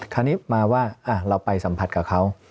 คราวนี้มาว่าเราไปสัมผัสกับเขา